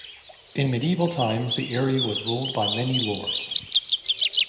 In medieval times the area was ruled by many lords.